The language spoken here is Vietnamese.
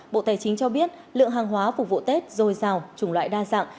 bộ tài chính cho biết lượng hàng hóa phục vụ tết dồi dào trùng loại đa dạng